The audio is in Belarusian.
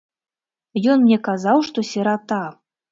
Ён мне казаў, што сірата.